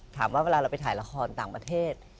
เวลาเราไปถ่ายละครต่างประเทศ